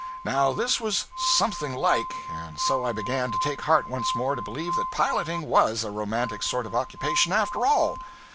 Now this was 'something like,' and so I began to take heart once more to believe that piloting was a romantic sort of occupation after all.